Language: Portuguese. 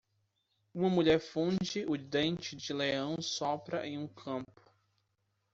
Uma mulher funde o dente-de-leão sopra em um campo.